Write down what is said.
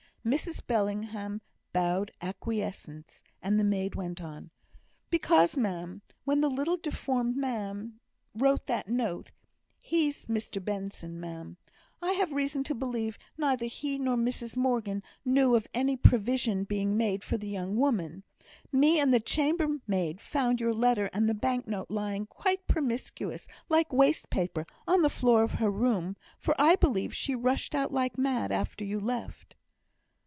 Mrs Bellingham bowed acquiescence, and the maid went on: "Because, ma'am, when the little deformed man wrote that note (he's Mr Benson, ma'am), I have reason to believe neither he nor Mrs Morgan knew of any provision being made for the young woman. Me and the chambermaid found your letter and the bank note lying quite promiscuous, like waste paper, on the floor of her room; for I believe she rushed out like mad after you left."